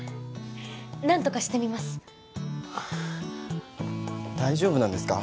何とかしてみます大丈夫なんですか？